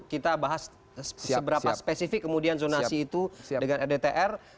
kita bahas seberapa spesifik kemudian zonasi itu dengan rdtr